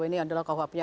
ini adalah kuhp nya